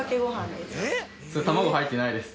それ卵入ってないです。